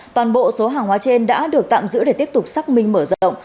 toàn bộ số hàng hóa trên đã được tạm giữ để tiếp tục xác minh mở rộng